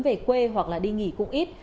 về quê hoặc đi nghỉ cũng ít